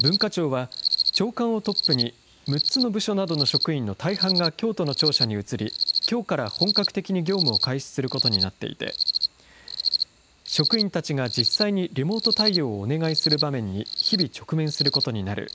文化庁は、長官をトップに、６つの部署などの職員の大半が京都の庁舎に移り、きょうから本格的に業務を開始することになっていて、職員たちが実際にリモート対応をお願いする場面に日々直面することになる。